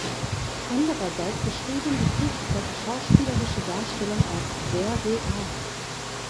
Andererseits beschrieben die Kritiker die schauspielerische Darstellung als sehr real.